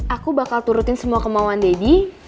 aku bakal turutin semua kemauan deddy